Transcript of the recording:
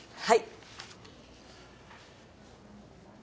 はい。